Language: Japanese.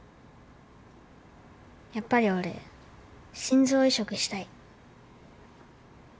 やっぱり俺心臓移植したい。